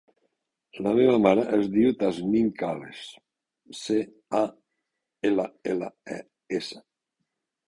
La meva mare es diu Tasnim Calles: ce, a, ela, ela, e, essa.